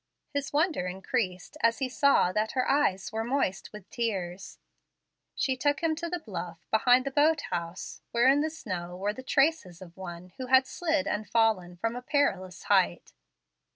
His wonder increased as he saw that her eyes were moist with tears. She took him to the bluff, behind the boat house, where in the snow were the traces of one who had slid and fallen from a perilous height.